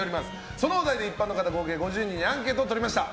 そのお題で一般の方合計５０人にアンケートをとりました。